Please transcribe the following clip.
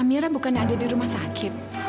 amira bukan ada di rumah sakit